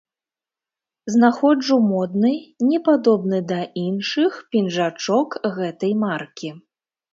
Знаходжу модны, не падобны да іншых пінжачок гэтай маркі.